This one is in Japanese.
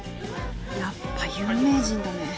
やっぱ有名人だね。